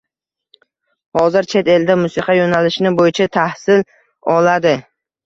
Hozir chet elda musiqa yo’nalishini bo’yicha tahsil oladi.